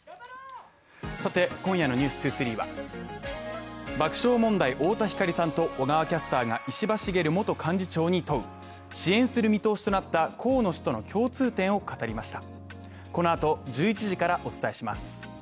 さて今夜の「ＮＥＷＳ２３」は爆笑問題・太田光さんと小川キャスターが石破茂元幹事長に問う。支援する見通しとなった河野氏との共通点を語りました。